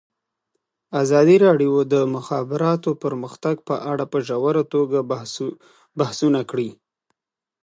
ازادي راډیو د د مخابراتو پرمختګ په اړه په ژوره توګه بحثونه کړي.